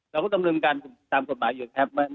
เราก็ต้องลืมกันตามกฎหมายอยู่นะครับ